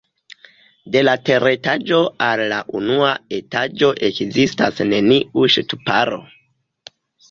De la teretaĝo al la unua etaĝo ekzistas neniu ŝtuparo.